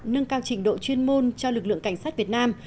nâng cao trình độ chuyên môn cho lực lượng cảnh sát việt nam